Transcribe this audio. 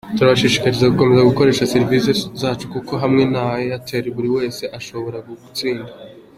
Turabashishikariza gukomeza gukoresha serivisi zacu kuko hamwe na Airtel buri wese ashobora gutsinda.